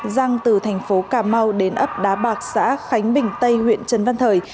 giang từ tp cà mau đến ấp đá bạc xã khánh bình tây huyện trần văn thời